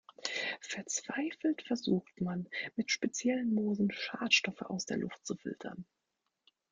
Verzweifelt versucht man, mit speziellen Moosen Schadstoffe aus der Luft zu filtern.